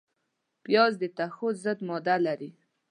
پیاز د توښو ضد ماده لري